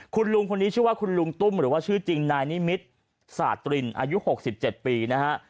คุณลุงคนนี้ชื่อว่าคุณลุงตุ้มหรือว่าชื่อจริงนายนิมิตรสาตรินอายุ๖๗ปีนะฮะ